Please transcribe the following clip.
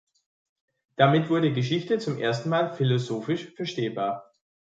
Damit wurde Geschichte zum ersten Mal philosophisch verstehbar.